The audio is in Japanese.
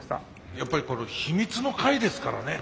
やっぱり秘密の会ですからね。